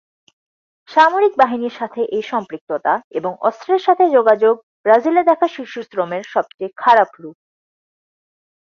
সামরিক বাহিনীর সাথে এই সম্পৃক্ততা এবং অস্ত্রের সাথে যোগাযোগ ব্রাজিলে দেখা শিশুশ্রমের সবচেয়ে খারাপ রূপ।